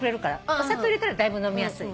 お砂糖入れたらだいぶ飲みやすい。